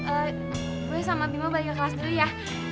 eh gue sama bimo balik ke kelas dulu ya